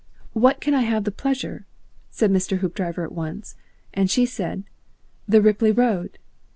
"What can I have the pleasure?" said Mr. Hoopdriver at once, and she said, "The Ripley road."